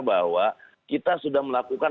bahwa kita sudah melakukan